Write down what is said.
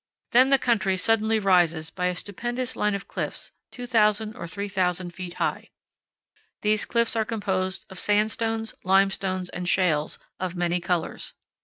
Then the country suddenly rises by a stupendous line of cliffs 2,000 or 3,000 feet high. These cliffs are composed of sand stones, limestones, and shales, of many colors.